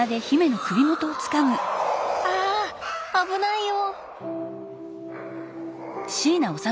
あ危ないよ！